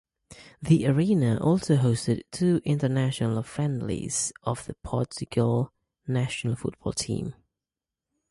The Arena also hosted two international friendlies of the Portugal national football team.